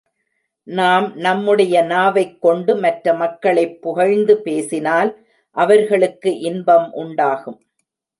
நாம் நம்முடைய நாவைக் கொண்டு மற்ற மக்களைப் புகழ்ந்து பேசினால் அவர்களுக்கு இன்பம் உண்டாகும்.